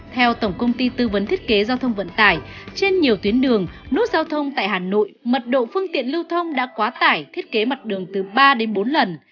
theo tổng công ty tư vấn thiết kế giao thông vận tải trên nhiều tuyến đường nút giao thông tại hà nội mật độ phương tiện lưu thông đã quá tải thiết kế mặt đường từ ba đến bốn lần